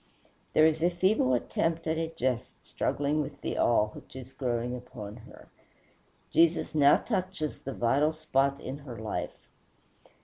There is a feeble attempt at a jest struggling with the awe which is growing upon her. Jesus now touches the vital spot in her life.